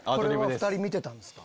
お２人見てたんですか？